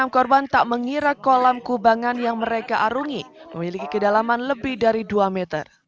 enam korban tak mengira kolam kubangan yang mereka arungi memiliki kedalaman lebih dari dua meter